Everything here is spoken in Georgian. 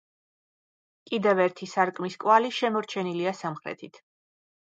კიდევ ერთი სარკმლის კვალი შემორჩენილია სამხრეთით.